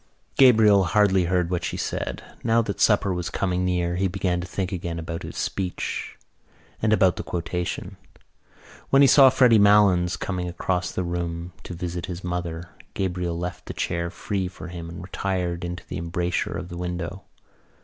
Gabriel hardly heard what she said. Now that supper was coming near he began to think again about his speech and about the quotation. When he saw Freddy Malins coming across the room to visit his mother Gabriel left the chair free for him and retired into the embrasure of the window.